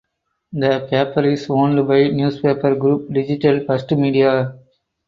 The paper is owned by newspaper group Digital First Media.